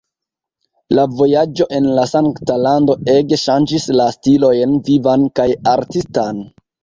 La vojaĝo en la Sankta Lando ege ŝanĝis la stilojn vivan kaj artistan.